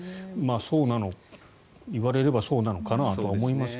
言われればそうなのかなとは思いますが。